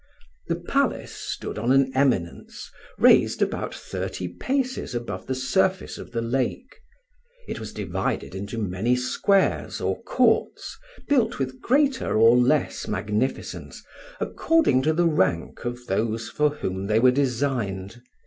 The palace stood on an eminence, raised about thirty paces above the surface of the lake. It was divided into many squares or courts, built with greater or less magnificence according to the rank of those for whom they were designed.